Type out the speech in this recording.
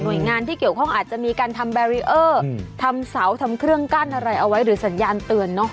โดยงานที่เกี่ยวข้องอาจจะมีการทำแบรีเออร์ทำเสาทำเครื่องกั้นอะไรเอาไว้หรือสัญญาณเตือนเนอะ